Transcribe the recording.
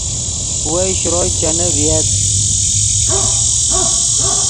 وئے شروئے چینے ڤییت